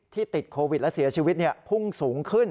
ติดโควิดและเสียชีวิตพุ่งสูงขึ้น